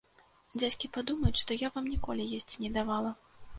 Дзядзькі падумаюць, што я вам ніколі есці не давала!